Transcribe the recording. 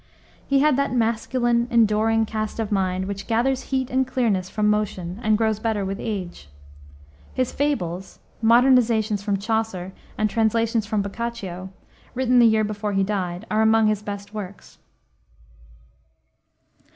He had that masculine, enduring cast of mind which gathers heat and clearness from motion, and grows better with age. His Fables modernizations from Chaucer and translations from Boccaccio written the year before he died, are among his best works.